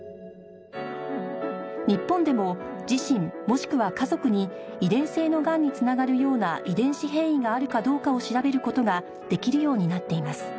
日本でも自身もしくは家族に遺伝性のがんに繋がるような遺伝子変異があるかどうかを調べる事ができるようになっています